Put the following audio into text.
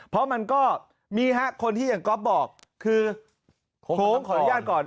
เพราะมันก็มีฮะคนที่อย่างก๊อฟบอกคือโค้งขออนุญาตก่อน